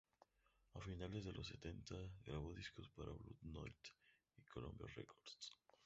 A finales de los setenta, grabó discos para Blue Note y Columbia Records.